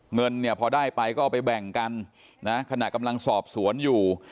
เงินเนี่ยพอได้ไปก็เอาไปแบ่งกันนะขณะกำลังสอบสวนอยู่